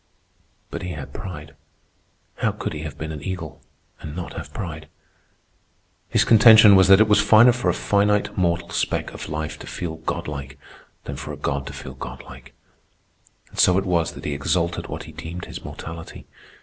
But he had pride. How could he have been an eagle and not have pride? His contention was that it was finer for a finite mortal speck of life to feel Godlike, than for a god to feel godlike; and so it was that he exalted what he deemed his mortality.